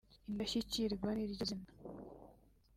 Indashyikirwa niryo zina